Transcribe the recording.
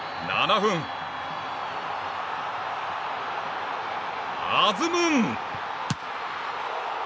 ７分、アズムン！